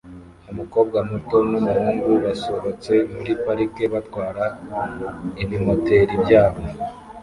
Umukobwa muto n'umuhungu basohotse muri parike batwara ibimoteri byabo